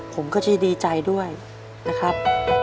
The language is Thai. ผมก็จะดีใจด้วยนะครับ